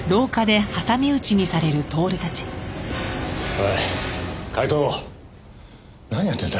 おいカイト何やってんだ？